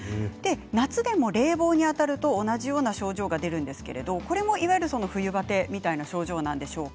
夏でも冷房に当たると同じような症状が出るんですけどこれもいわゆる冬バテみたいな症状なんでしょうか？